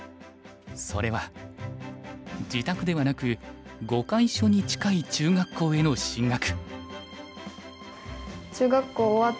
それは自宅ではなく碁会所に近い中学校への進学。